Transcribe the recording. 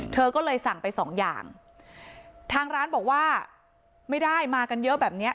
เธอก็เลยสั่งไปสองอย่างทางร้านบอกว่าไม่ได้มากันเยอะแบบเนี้ย